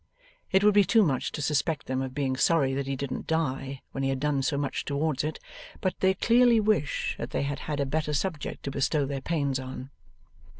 It would be too much to suspect them of being sorry that he didn't die when he had done so much towards it, but they clearly wish that they had had a better subject to bestow their pains on.